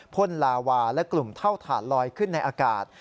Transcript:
พ่นลาวาและกลุ่มเท่าฐานลอยขึ้นในอากาศ